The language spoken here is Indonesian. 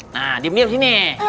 nah diam diam sini